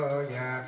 hari yang kelima